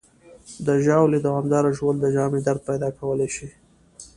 د ژاولې دوامداره ژوول د ژامې درد پیدا کولی شي.